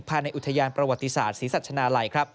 ภายในอุทยานประวัติศาสตร์ศรีสัชนาลัย